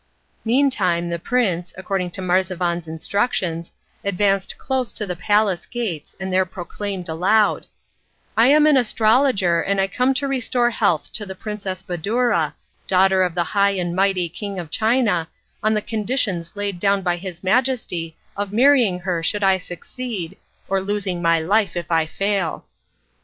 Meantime the prince, according to Marzavan's instructions, advanced close to the palace gates and there proclaimed aloud: "I am an astrologer and I come to restore health to the Princess Badoura, daughter of the high and mighty King of China, on the conditions laid down by His Majesty of marrying her should I succeed, or of losing my life if I fail."